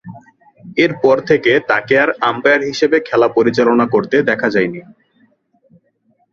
এরপর থেকে তাকে আর আম্পায়ার হিসেবে খেলা পরিচালনা করতে দেখা যায়নি।